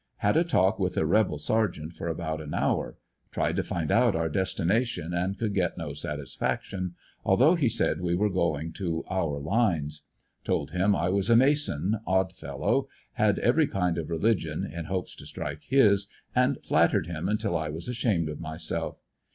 Had a talk with a rebel sergeant for about an hour . Tried to find out our destination and could set no satisfaction, although he said we were going to our lines. Told him I was a mason, odd fellow, had every kind of religion (in hopes to strike his), and flattered him until I was ashamed of myself.